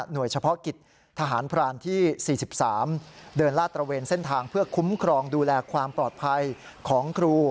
โดยเฉพาะกิจทหารพรานที่๔๓เดินลาดตระเวนเส้นทางเพื่อคุ้มครองดูแลความปลอดภัยของครู